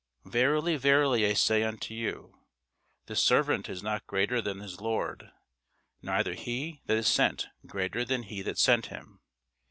Verily, verily, I say unto you, The servant is not greater than his lord; neither he that is sent greater than he that sent him.